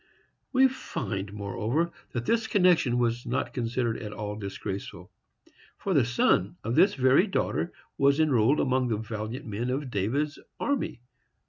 We find, moreover, that this connection was not considered at all disgraceful, for the son of this very daughter was enrolled among the valiant men of David's army.